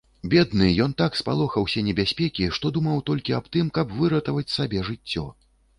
Бедны, ён так спалохаўся небяспекі, што думаў толькі аб тым, каб выратаваць сабе жыццё.